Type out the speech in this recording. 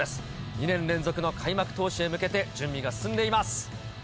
２年連続の開幕投手へ向けて、準備が進んでいます。